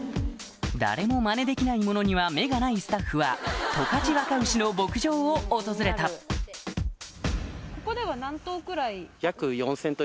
誰も真似できないものには目がないスタッフは十勝若牛の牧場を訪れた４０００頭？